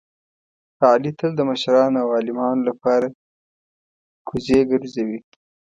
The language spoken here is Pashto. علي تل د مشرانو او عالمانو لپاره کوزې ګرځوي.